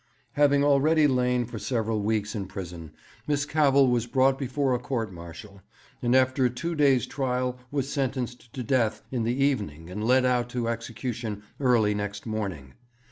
Having already lain for several weeks in prison, Miss Cavell was brought before a court martial, and after a two days' trial was sentenced to death in the evening and led out to execution early next morning.